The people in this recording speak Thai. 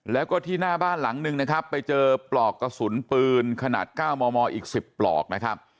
แล้วก็ที่หน้าบ้านหลังนึงนะครับไปเจอปลอกกระสุนปืนขนาด๙มมอีก๑๐ปลอกนะครับ